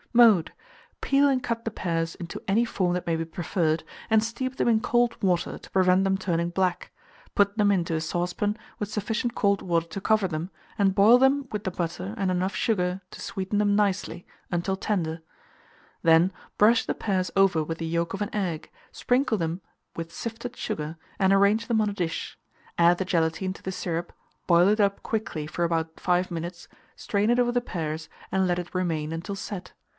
Mode. Peel and cut the pears into any form that may be preferred, and steep them in cold water to prevent them turning black; put them into a saucepan with sufficient cold water to cover them, and boil them with the butter and enough sugar to sweeten them nicely, until tender; then brush the pears over with the yolk of an egg, sprinkle them with sifted sugar, and arrange them on a dish. Add the gelatine to the syrup, boil it up quickly for about 5 minutes, strain it over the pears, and let it remain until set.